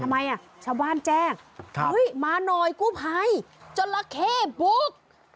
ทำไมอ่ะชาวบ้านแจ้งเฮ้ยมาหน่อยกู้ภัยจราเข้บุ๊ก